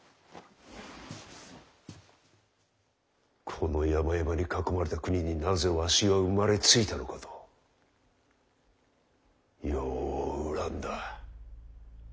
この山々に囲まれた国になぜわしは生まれついたのかとよう恨んだ。